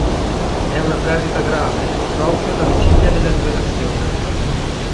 È una perdita grave, proprio alla vigilia della liberazione.